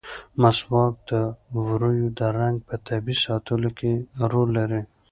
مسواک د ووریو د رنګ په طبیعي ساتلو کې رول لري.